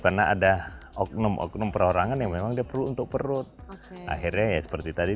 karena ada oknum oknum perorangan yang memang dia perlu untuk perut akhirnya ya seperti tadi